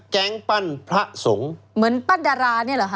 แก๊งปั้นพระสงฆ์เหมือนปั้นดาราเนี่ยเหรอคะ